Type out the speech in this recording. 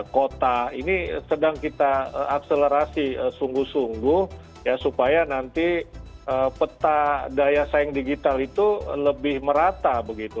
kota ini sedang kita akselerasi sungguh sungguh ya supaya nanti peta daya saing digital itu lebih merata begitu